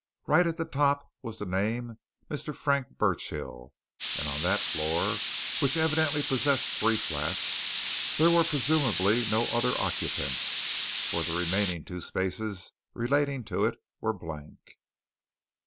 Right at the top was the name Mr. Frank Burchill and on that floor, which evidently possessed three flats, there were presumably no other occupants, for the remaining two spaces relating to it were blank.